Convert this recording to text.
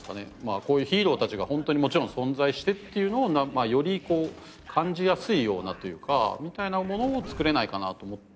こういうヒーローたちがホントにもちろん存在してっていうのをより感じやすいようなというかみたいなものをつくれないかなと思って。